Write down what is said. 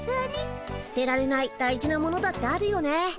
捨てられない大事なものだってあるよね。